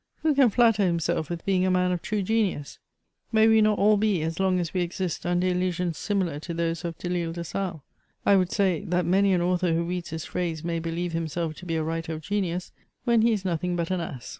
Who can flatter himself with being a man of true genius ? May we not all be, as long as we exist, under illusions similar to those of Delisle de Sales? I would say, that many an author who reads this phrase may beheve himself to be a writer of genius, when he is nothing but an ass.